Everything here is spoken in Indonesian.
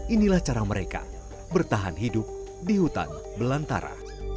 inilah cara mereka bertahan hidup di hutan belantara